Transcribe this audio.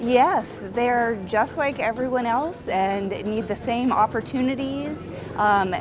ya mereka seperti semua orang lain dan membutuhkan peluang yang sama